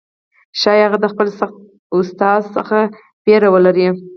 ښايي هغه د خپل سخت ښوونکي څخه ویره ولري،